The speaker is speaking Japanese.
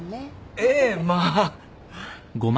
ええまあ。